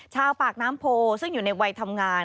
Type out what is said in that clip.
ชาวปากน้ำโพซึ่งอยู่ในวัยทำงาน